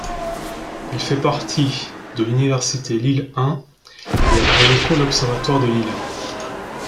Il fait partie de l'Université Lille I et a pour locaux l'observatoire de Lille.